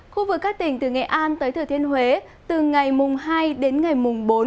khu vực các tỉnh từ nghệ an tới thừa thiên huế từ ngày mùng hai đến ngày mùng bốn